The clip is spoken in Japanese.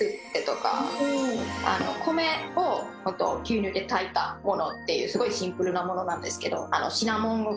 米を牛乳で炊いたものっていうすごいシンプルなものなんですけど。